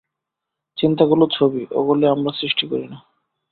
চিন্তাগুলি ছবি, ওগুলি আমরা সৃষ্টি করি না।